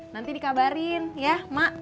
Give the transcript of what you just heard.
nanti dikabarin ya mak